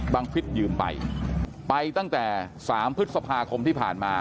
ฟิศยืมไปไปตั้งแต่๓พฤษภาคมที่ผ่านมา